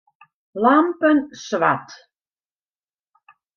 Lampen swart.